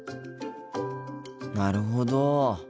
なるほど。